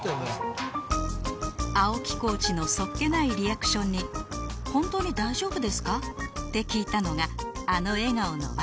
青木コーチのそっけないリアクションに「本当に大丈夫ですか？」って聞いたのがあの笑顔の訳